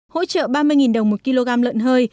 hỗ trợ ba mươi đồng một kg lợn hơi